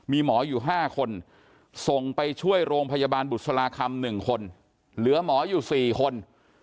มีหมออยู่๕คนส่งไปช่วยโรงพยาบาลบุษราคำ๑คนเหลือหมออยู่๔คน